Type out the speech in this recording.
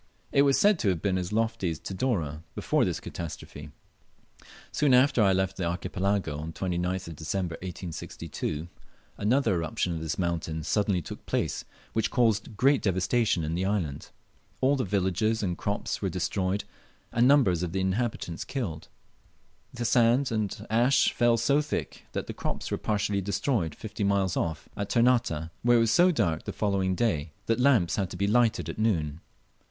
It was said to have been as lofty as Tidore before this catastrophe. [Soon after I' left the Archipelago, on the 29th of December, 1862, another eruption of this mountain suddenly took place, which caused great devastation in the island. All the villages and crops were destroyed, and numbers of the inhabitants killed. The sand and ashes fell so thick that the crops were partially destroyed fifty miles off, at Ternate, where it was so dark the following day that lamps had to be lighted at noon.